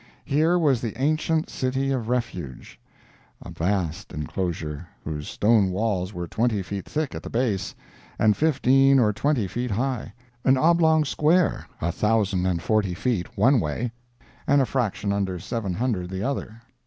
Here was the ancient City of Refuge—a vast inclosure, whose stone walls were twenty feet thick at the base, and fifteen or twenty feet high; an oblong square, a thousand and forty feet one way, and a fraction under seven hundred the other.